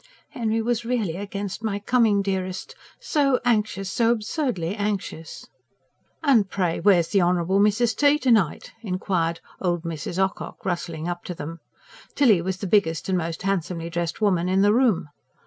"Henry was really against my coming, dearest. So anxious ... so absurdly anxious!" "And pray where's the Honourable Mrs. T. to night?" inquired "old Mrs. Ocock," rustling up to them: Tilly was the biggest and most handsomely dressed woman in the room.